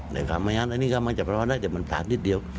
เนี้ยค่ะไม่งั้นอันนี้มันจะประมาทได้แต่มันต่างนิดเดียว